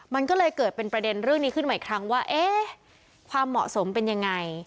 มันก็เลยเกิดเป็นประเด็นเรื่องนี้ขึ้นมาอีกครั้งว่าเอ๊ะความเหมาะสมเป็นยังไง